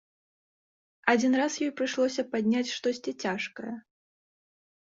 Адзін раз ёй прыйшлося падняць штосьці цяжкае.